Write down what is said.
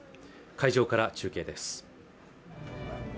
会場から中継です